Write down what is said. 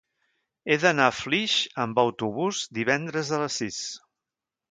He d'anar a Flix amb autobús divendres a les sis.